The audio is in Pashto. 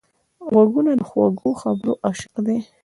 غوږونه د خوږو خبرو عاشق دي